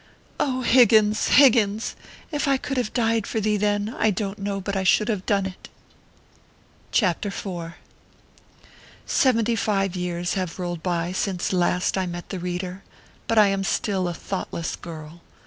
Oh, Higgins, Higgins, if I could have died for thee then, I don t know but I should have done it ! CHAPTER IV. Seventy five years have rolled by since last I met the reader, and I am still a thoughtless girl.